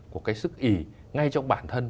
của cái sức ỉ ngay trong bản thân